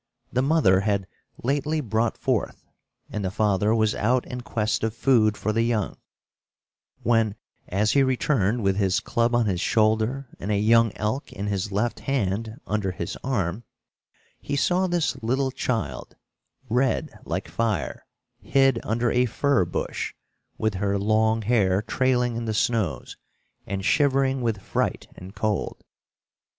The mother had lately brought forth, and the father was out in quest of food for the young, when, as he returned with his club on his shoulder and a young elk in his left hand, under his arm, he saw this little child, red like fire, hid under a fir bush, with her long hair trailing in the snows, and shivering with fright and cold.